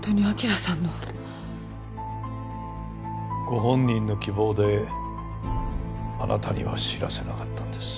ご本人の希望であなたには知らせなかったんです。